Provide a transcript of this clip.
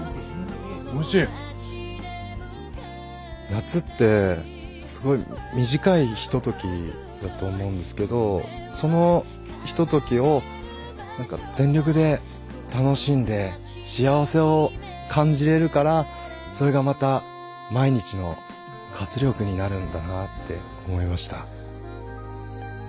夏ってすごい短いひとときだと思うんですけどそのひとときを何か全力で楽しんで幸せを感じれるからそれがまた毎日の活力になるんだなって思いました。